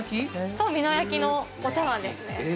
◆と、美濃焼のお茶わんですね。